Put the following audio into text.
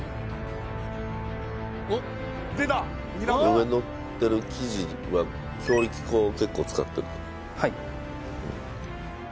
上にのってる生地は強力粉を結構使ってる？